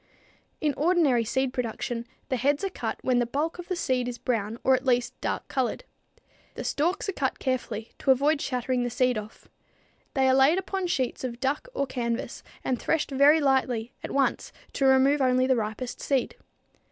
In ordinary seed production the heads are cut when the bulk of the seed is brown or at least dark colored. The stalks are cut carefully, to avoid shattering the seed off. They are laid upon sheets of duck or canvas and threshed very lightly, at once, to remove only the ripest seed.